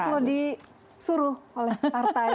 kalau disuruh oleh partai